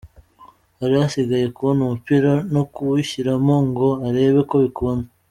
Hari hasigaye kubona umupira no kuwushyiramo ngo arebe ko bikunda.